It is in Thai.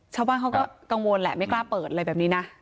ชาวบ้านเขาก็กังวลแหละไม่กล้าเปิดอะไรแบบนี้นะ